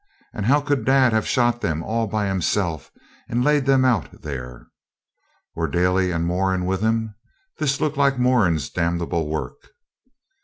and how could dad have shot them all by himself, and laid them out there? Were Daly and Moran with him? This looked like Moran's damnable work.